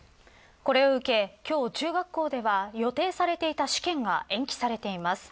これを受け、今日中学校では予定されていた試験が延期されています。